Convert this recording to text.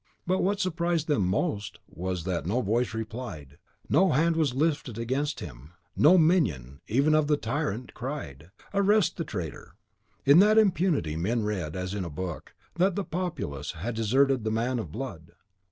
But what surprised them most was, that no voice replied, no hand was lifted against him, no minion, even of the tyrant, cried, "Arrest the traitor." In that impunity men read, as in a book, that the populace had deserted the man of blood.